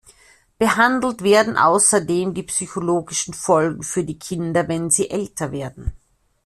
Behandelt werden außerdem die psychologischen Folgen für die Kinder, wenn sie älter werden.